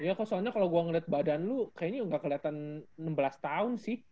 iya soalnya kalo gue ngeliat badan lo kayaknya gak keliatan enam belas tahun sih